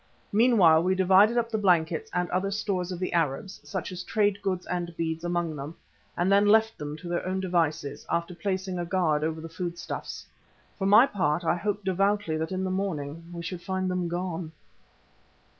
Meanwhile we divided up the blankets and other stores of the Arabs, such as trade goods and beads, among them, and then left them to their own devices, after placing a guard over the foodstuffs. For my part I hoped devoutly that in the morning we should find them gone.